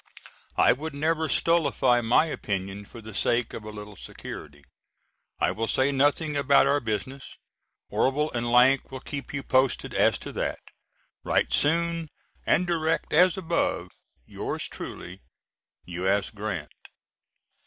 I would never stultify my opinion for the sake of a little security. I will say nothing about our business. Orvil and Lank will keep you posted as to that. Write soon and direct as above. Yours truly, U.S. GRANT.